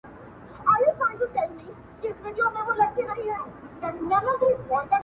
نظر غرونه چوي -